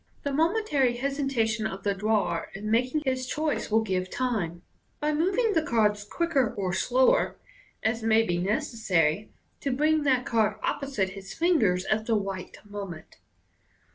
The momentary hesitation of the drawer in making his choice will give time, by moving the cards q :ker or slower, as may be necessary, to bring that card opposite his fingers at the right moment.